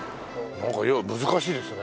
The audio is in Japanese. なんか難しいですね。